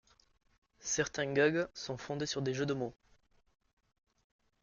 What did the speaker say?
Certains gags sont fondés sur des jeux de mots.